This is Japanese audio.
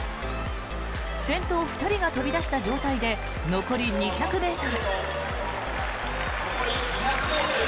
先頭２人が飛び出した状態で残り２００ｍ。